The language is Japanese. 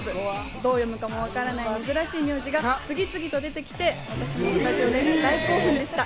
どう読むかもわからない珍しい名字が次々と出てきて、私もスタジオで大興奮でした。